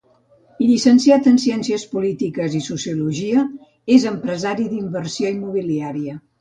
Llicenciat en Ciències Polítiques i Sociologia, és empresari d'inversió immobiliària.